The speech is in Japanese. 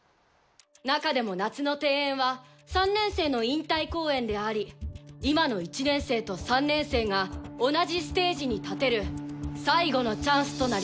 中でも夏の定演は３年生の引退公演であり今の１年生と３年生が同じステージに立てる最後のチャンスとなります。